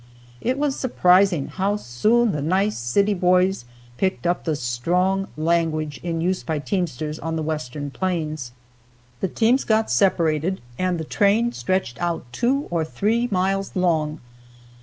It was surprising how soon the nice city boys picked up the strong language in use by teamsters on the Western plains. The teams got separated, and the train stretched out two or three miles long.